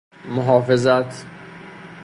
محافظت